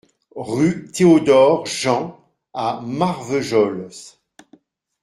Rue Théodore Jean à Marvejols